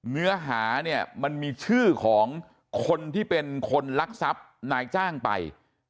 เนื้อหามันมีชื่อของคนที่เป็นคนรักษัพนายจ้างไป